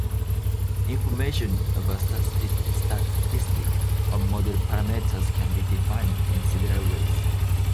Information of a statistic on model parameters can be defined in several ways.